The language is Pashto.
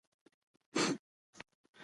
د زور کارول يې وروستۍ لاره ګڼله.